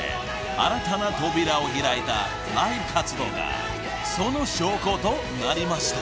新たな扉を開いたライブ活動がその証拠となりました］